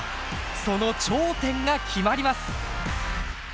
その頂点が決まります。